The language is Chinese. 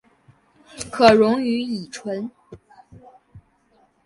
可溶于乙醇。